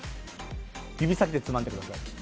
指先でつまんでください。